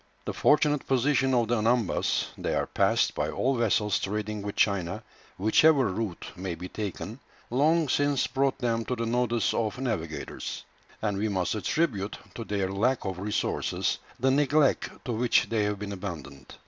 The fortunate position of the Anambas they are passed by all vessels trading with China, whichever route may be taken long since brought them to the notice of navigators; and we must attribute to their lack of resources the neglect to which they have been abandoned.